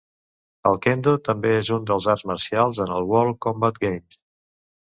El kendo també és un dels arts marcials en els World Combat Games.